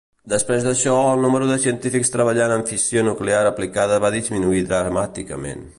Després d'això, el número de científics treballant en fissió nuclear aplicada va disminuir dramàticament.